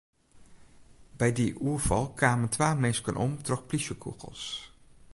By dy oerfal kamen twa minsken om troch plysjekûgels.